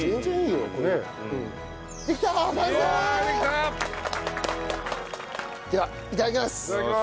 いただきます。